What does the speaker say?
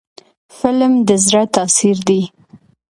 فلم د زړه تاثیر دی